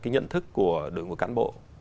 cái nhận thức của đội ngũ cán bộ